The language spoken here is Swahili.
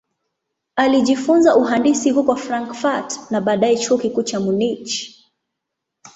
Alijifunza uhandisi huko Frankfurt na baadaye Chuo Kikuu cha Munich.